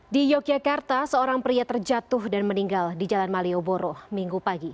di yogyakarta seorang pria terjatuh dan meninggal di jalan malioboro minggu pagi